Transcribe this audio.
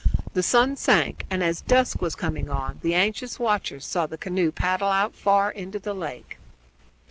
The sun sank, and as dusk was coming on the anxious watchers saw the canoe paddle out far into the lake.